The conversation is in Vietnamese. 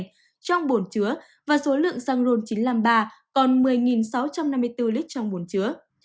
trong bốn chứa và số lượng xăng rôn chín trăm năm mươi ba còn một mươi sáu trăm năm mươi bốn lít trong bốn chứa